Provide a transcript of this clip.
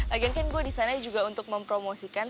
again kan gue di sana juga untuk mempromosikan